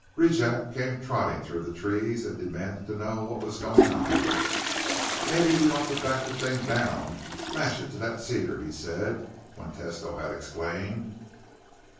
Rejack came trotting through the trees and demanded to know what was going on. "Maybe we ought to back the thing down, lash it to that cedar," he said when Tesno had explained.